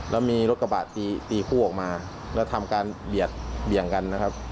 แล้วมีรถกระบะตีคู่ออกมาแล้วทำการเบียดเบี่ยงกันนะครับ